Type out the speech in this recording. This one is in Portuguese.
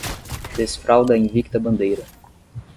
Desfralda a invicta bandeira